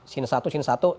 sini satu sini satu